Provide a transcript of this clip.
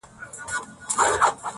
ما په ژړغوني اواز دا يــوه گـيـله وكړه.